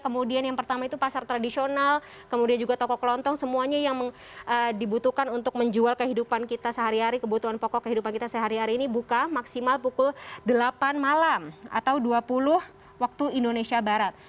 kemudian yang pertama itu pasar tradisional kemudian juga toko kelontong semuanya yang dibutuhkan untuk menjual kehidupan kita sehari hari kebutuhan pokok kehidupan kita sehari hari ini buka maksimal pukul delapan malam atau dua puluh waktu indonesia barat